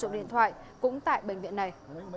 điện thoại cũng tại bệnh viện này